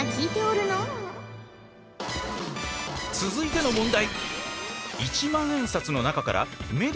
続いての問題。